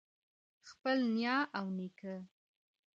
خپل نیا او نیکه